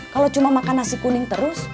kalau cuma makan nasi kuning terus